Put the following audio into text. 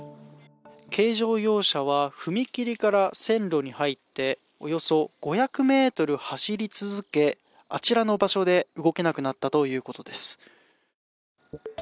軽乗用車は踏切から線路に入っておよそ５００ｍ走り続け、あちらの場所で動けなくなったということです